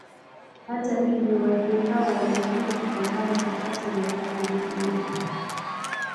Hata hivyo wazee hao wamekiri kupambana kwa kasi na ukatili huo